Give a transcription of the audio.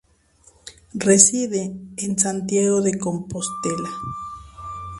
Reside en Santiago de Compostela.